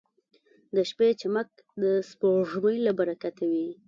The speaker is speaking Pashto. • د شپې چمک د سپوږمۍ له برکته وي.